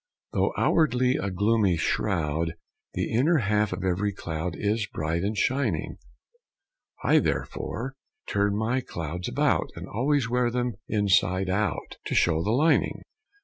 Though outwardly a gloomy shroud The inner half of every cloud Is bright and shining: I therefore turn my clouds about, And always wear them inside out To show the lining.